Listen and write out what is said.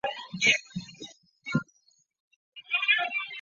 驼背丘腹蛛为球蛛科丘腹蛛属的动物。